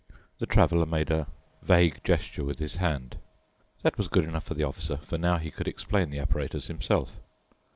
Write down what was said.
The Traveler made an vague gesture with his hand. That was good enough for the Officer, for now he could explain the apparatus himself.